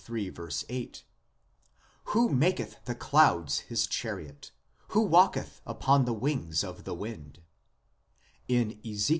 8) :" Who maketh the clouds His chariot, who walketh upon the wings of the wind "; in Ezek.